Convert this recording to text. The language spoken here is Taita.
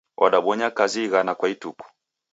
Wadabonya kazi ighana kwa ituku.